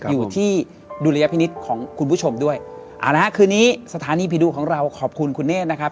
อยู่ที่ดุลยพินิษฐ์ของคุณผู้ชมด้วยเอาละฮะคืนนี้สถานีผีดุของเราขอบคุณคุณเนธนะครับ